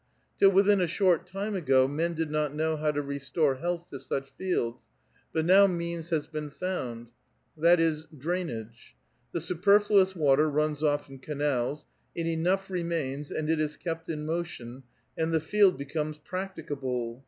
Till within a short time ago, men did not know how to restore health to such fields ; but now means has been found ; that is, drainnge. The superfluous water runs off in canals, and enough remains, and it is kept in motion, and the field becomes practicable.